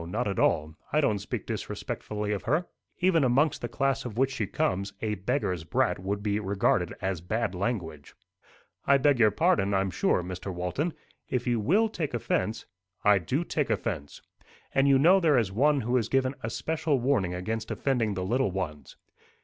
Not at all. I don't speak disrespectfully of her." "Even amongst the class of which she comes, 'a beggar's brat' would be regarded as bad language." "I beg your pardon, I'm sure, Mr. Walton! If you will take offence " "I do take offence. And you know there is One who has given especial warning against offending the little ones."